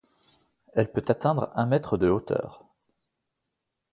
Elle peut atteindre un mètre de hauteur.